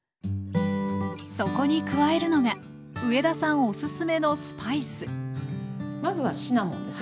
そこに加えるのが上田さんおすすめのスパイスまずはシナモンですね。